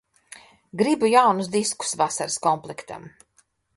Gribu jaunus diskus vasaras komplektam.